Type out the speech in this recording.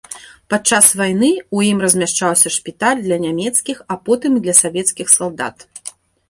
Падчас вайны ў ім размяшчаўся шпіталь для нямецкіх, а потым і для савецкіх салдат.